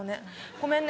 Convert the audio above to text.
ごめんね！